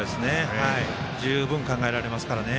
十分、考えられますからね。